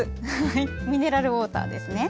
ミネラルウォーターですね。